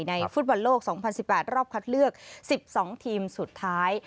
ในฟู้ดบาลโลก๒๐๑๘รอบคัดเลือกสิบสองทีมสุดไทย